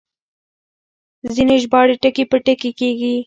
ځينې ژباړې ټکي په ټکي کېږي.